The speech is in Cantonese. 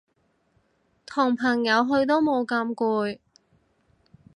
同朋友去都冇咁攰